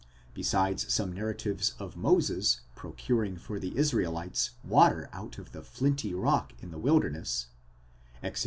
Besides some narratives of Moses procuring for the Israelites water out of the flinty rock in the wilderness (Exod.